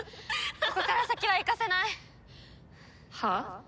ここから先は行かせない！はあ？